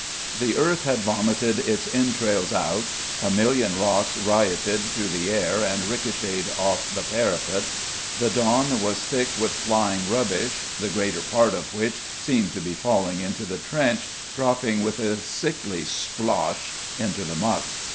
The earth had vomited its entrails out, a million rocks rioted through the air and ricochetted off the parapet; the dawn was thick with flying rubbish, the greater part of which seemed to be falling into the trench, dropping with a sickly splosh into the muck.